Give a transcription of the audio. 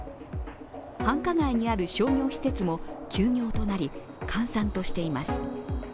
繁華街にある商業施設も休業となり、閑散としています。